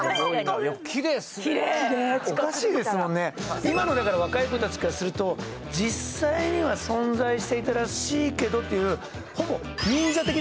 今の若い子たちからすると実際には存在していたらしいけどみたいな